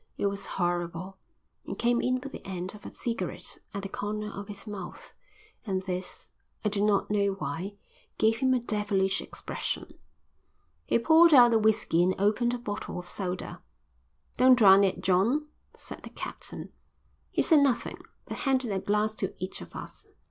It was horrible. He came in with the end of a cigarette at the corner of his mouth, and this, I do not know why, gave him a devilish expression. He poured out the whisky and opened a bottle of soda. "Don't drown it, John," said the captain. He said nothing, but handed a glass to each of us.